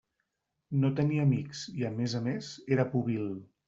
No tenia amics i, a més a més, era pobil.